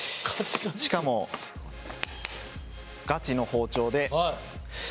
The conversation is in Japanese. しかも、ガチの包丁で。